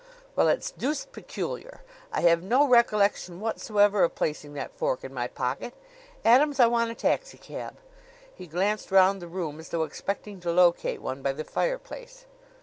"Well, it's deuced peculiar! I have no recollection whatsoever of placing that fork in my pocket ... Adams, I want a taxicab." He glanced round the room, as though expecting to locate one by the fireplace.